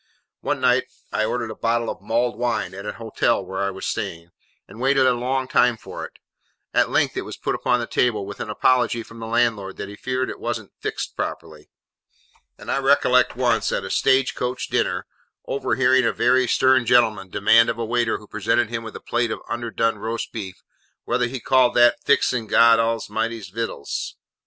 One night, I ordered a bottle of mulled wine at an hotel where I was staying, and waited a long time for it; at length it was put upon the table with an apology from the landlord that he feared it wasn't 'fixed properly.' And I recollect once, at a stage coach dinner, overhearing a very stern gentleman demand of a waiter who presented him with a plate of underdone roast beef, 'whether he called that, fixing God A'mighty's vittles?